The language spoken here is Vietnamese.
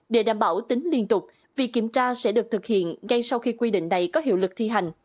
để đảm bảo tính liên tục việc kiểm tra sẽ được thực hiện ngay sau khi quy định này có hiệu lực thi hành